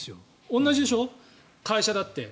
同じでしょ会社だって。